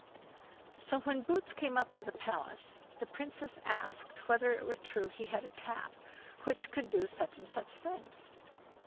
So when Boots came up to the palace, the Princess asked whether it were true he had a tap which could do such and such things?